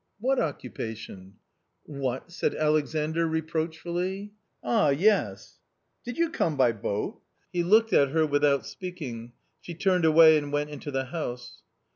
" What occupation ?"" What !" said Alexandr reproachfully. " Ah, yes — did you come by boat ?" He looked at her without speaking. She turned away and went into the house.